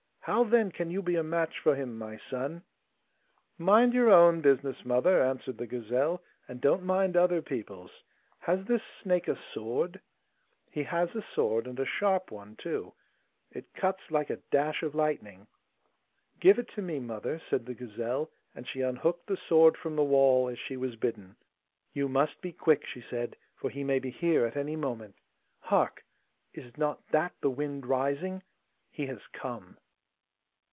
How then can you be a match for him, my son?' 'Mind your own business, mother,' answered the gazelle, 'and don't mind other people's! Has this snake a sword?' 'He has a sword, and a sharp one too. It cuts like a dash of lightning.' 'Give it to me, mother!' said the gazelle, and she unhooked the sword from the wall, as she was bidden. 'You must be quick,' she said, 'for he may be here at any moment. Hark! is not that the wind rising? He has come!